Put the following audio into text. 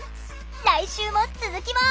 来週も続きます！